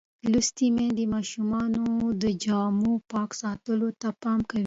لوستې میندې د ماشومانو د جامو پاک ساتلو ته پام کوي.